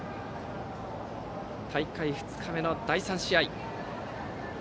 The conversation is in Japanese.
大会２日目の第３試合。